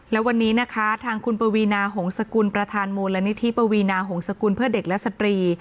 และวันนี้นะคะทางคุณปวีนาหงษกุลประธานมูลนิธิปวีนาหงษกุลเพื่อเด็กและสตรี